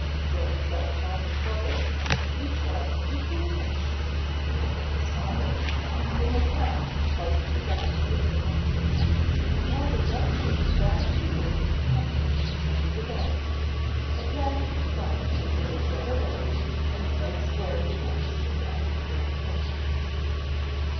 Joined by a common trouble and each one equally anxious to get even with his father, they had now quite forgotten their differences, and held a most emphatically worded conference under the bed, at last deciding that they would run away and so square accounts with their unfeeling parent.